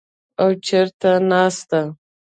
او چېرته نسته.